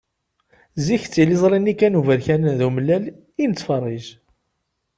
Zik d tiliẓri-nni kan uberkan d umellal i nettferrij.